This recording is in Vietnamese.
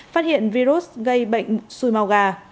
phát hiện virus gây bệnh xùi màu gà